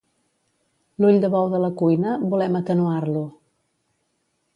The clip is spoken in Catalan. L'ull de bou de la cuina, volem atenuar-lo.